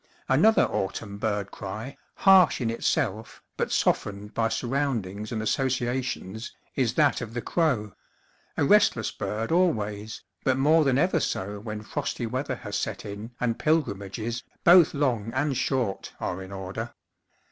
Another autumn bird cry, harsh in itself, but softened by surroundings and associ ations, is that of the crow a restless bird always, but more than ever so when frosty weather has set in and pilgrimages, both long and short, are in order.